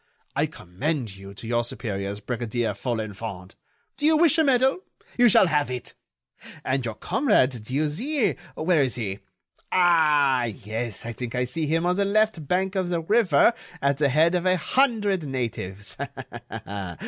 I commend you to your superiors, Brigadier Folenfant.... Do you wish a medal? You shall have it. And your comrade Dieuzy, where is he?... Ah! yes, I think I see him on the left bank of the river at the head of a hundred natives.